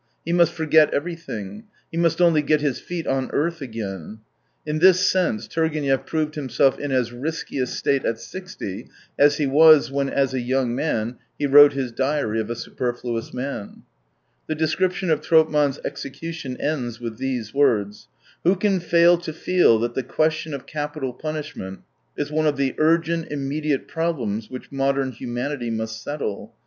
He must forget everything, he must only get his feet on earth again. In this sense Turgenev proved himself in as risky a state at sixty as he was when, as a young man, he wrote his Diary of a Superfluous Man. The description of Tropman's execution ends with these words :" Who can fail to feel that the question of capital punishment is one of the urgent, immediate problems which modern humanity must settle ?